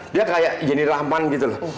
dia kayak jenny rahman gitu loh